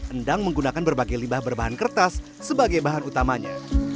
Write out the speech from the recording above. endang menggunakan berbagai limbah berbahan kertas sebagai bahan utamanya